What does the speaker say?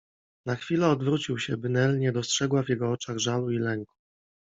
Na chwilę odwrócił się, by Nel nie dostrzegła w jego oczach żalu i lęku.